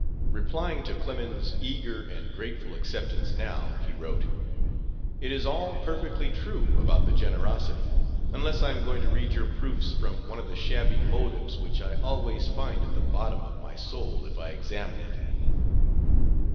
Replying to Clemens's eager and grateful acceptance now, he wrote: "It is all perfectly true about the generosity, unless I am going to read your proofs from one of the shabby motives which I always find at the bottom of my soul if I examine it."